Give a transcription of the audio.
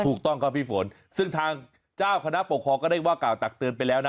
ถูกต้องครับพี่ฝนซึ่งทางเจ้าคณะปกครองก็ได้ว่ากล่าวตักเตือนไปแล้วนะ